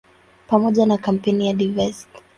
Pamoja na kampeni ya "Divest!